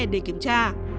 để kiểm tra